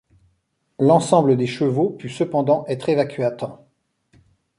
L'ensemble des chevaux put cependant être évacué à temps.